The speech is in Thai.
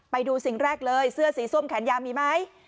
ไปดูสิ่งแรกเลยเสื้อสีส้มแขนยาวมีไหม